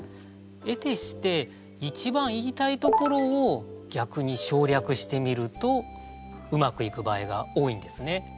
えてして一番言いたいところをぎゃくに省略してみるとうまくいく場合が多いんですね。